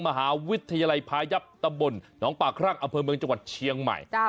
มหาวิทยาลัยพายับตำบลหนองปากครั่งอำเภอเมืองจังหวัดเชียงใหม่